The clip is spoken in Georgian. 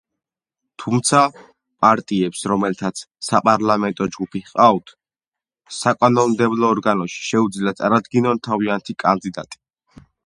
თუმცა, პარტიებს, რომელთაც საპარლამენტო ჯგუფი ჰყავთ საკანონმდებლო ორგანოში, შეუძლიათ წარადგინონ თავიანთი კანდიდატი.